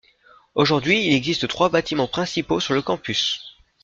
Aujourd'hui, il existe trois bâtiments principaux sur le campus.